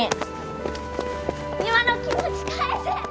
今の気持ち返せ！